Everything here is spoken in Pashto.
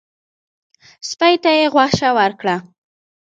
سپي ته یې غوښه ورکړه.